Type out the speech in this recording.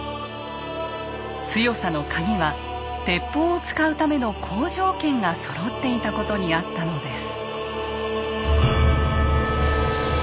強さの鍵は鉄砲を使うための好条件がそろっていたことにあったのです。